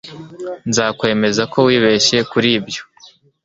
Nzakwemeza ko wibeshye kuri ibyo.